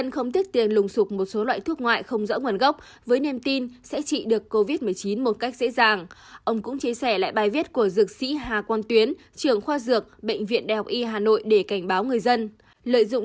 không rõ nguồn gốc xuất xứ trên thị trường